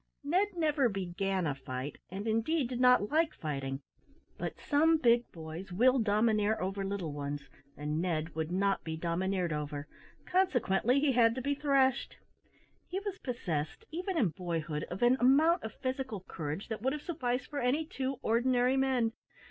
Ned never began a fight, and, indeed, did not like fighting. But some big boys will domineer over little ones, and Ned would not be domineered over; consequently he had to be thrashed. He was possessed, even in boyhood, of an amount of physical courage that would have sufficed for any two ordinary men.